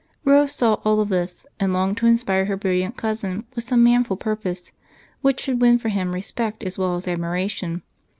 Rose saw all this and longed to inspire her brilliant cousin with some manful purpose which should win for him respect as well as admiration.